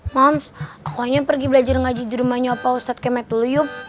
moms aku hanya pergi belajar ngaji di rumahnya opo ustadz kemek dulu yuk